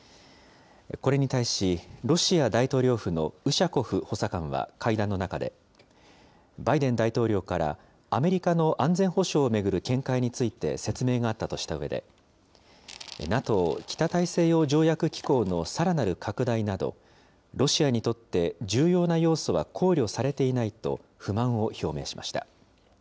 これに対しロシア大統領府のウシャコフ補佐官は会談の中で、バイデン大統領から、アメリカの安全保障を巡る見解について説明があったとしたうえで、ＮＡＴＯ・北大西洋条約機構のさらなる拡大など、ロシアにとって重要な要素は考慮されていないと不満を表明しました。